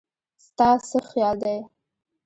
ستا څه خيال دی